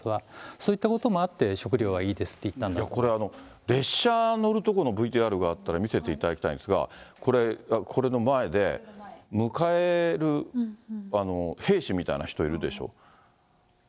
そういったこともあって、食料はいいですって言ったのだと思いまこれ、列車乗るところのＶＴＲがあったら見せていただきたいんですが、これ、これの前で、迎える兵士みたいな人、いるでしょ？